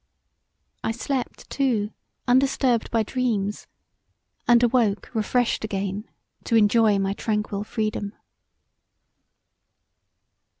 I slept too undisturbed by dreams; and awoke refreshed to again enjoy my tranquil freedom.